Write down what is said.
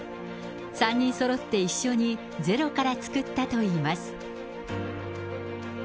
３人そろって一緒にゼロから作ったといいます。